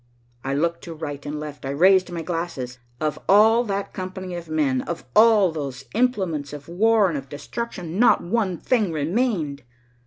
I looked to right and left. I raised my glasses. Of all that company of men, of all those implements of war and of destruction, not one thing remained.